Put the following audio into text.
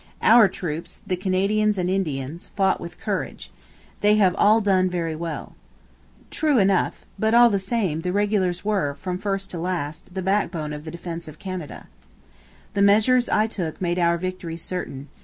'Our troops, the Canadians and Indians, fought with courage. They have all done very well.' True enough. But, all the same, the regulars were, from first to last, the backbone of the defence of Canada. 'The measures I took made our victory certain.